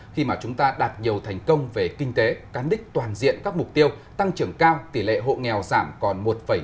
khi mà chúng ta đạt nhiều thành công về kinh tế cán đích toàn diện các mục tiêu tăng trưởng cao tỷ lệ hộ nghèo giảm còn một bảy mươi